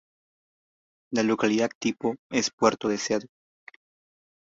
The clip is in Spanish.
La localidad tipo es Puerto Deseado.